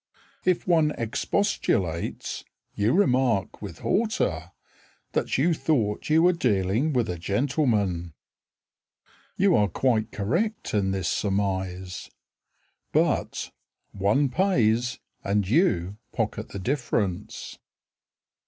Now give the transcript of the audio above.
If one expostulates, You remark With hauteur That you thought you were dealing with a gentleman. You are quite correct in this surmise. But One pays, And you pocket the difference.